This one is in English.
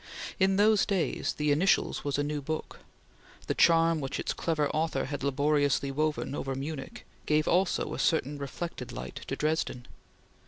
In those days, "The Initials" was a new book. The charm which its clever author had laboriously woven over Munich gave also a certain reflected light to Dresden.